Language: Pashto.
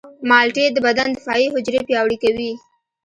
مالټې د بدن دفاعي حجرې پیاوړې کوي.